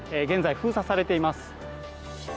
現在、封鎖されています。